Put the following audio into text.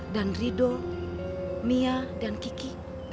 dan rido mia dan kiki